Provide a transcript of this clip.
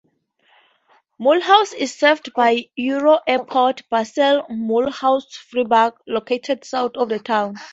Mulhouse is served by EuroAirport Basel-Mulhouse-Freiburg, located south of the town.